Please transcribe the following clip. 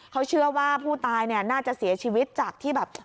เขาเชื่อว่าผู้ตายเนี่ยน่าจะเสียชีวิตจากที่แบบ